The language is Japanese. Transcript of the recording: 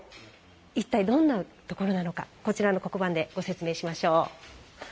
一体、どんなところなのか黒板でご説明しましょう。